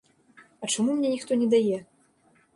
А чаму мне ніхто не дае?